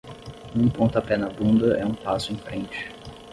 Um pontapé na bunda é um passo em frente.